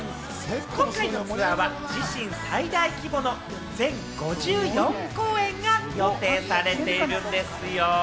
今回の公演は自身最大規模の全５４公演を予定されているんですよ！